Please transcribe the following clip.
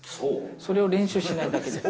それは練習しないだけで。